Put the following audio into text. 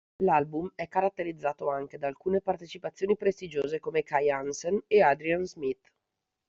L'album è caratterizzato anche da alcune partecipazioni prestigiose come Kai Hansen e Adrian Smith.